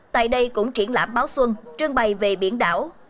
tại đây cũng triển lãm báo xuân trương bày về biển đảo